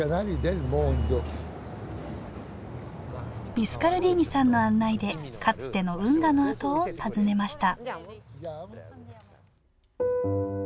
ビスカルディーニさんの案内でかつての運河の跡を訪ねました